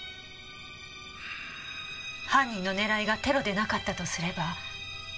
犯人の狙いがテロでなかったとすれば。